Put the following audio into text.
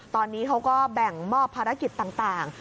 ตอนนี้เขาก็แบ่งมอบภารกิจต่าง